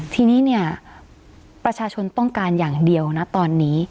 ทีนี้เนี่ยประชาชนต้องการอย่างเดียวนะตอนนี้